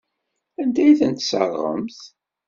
Anda ay ten-tesserɣemt?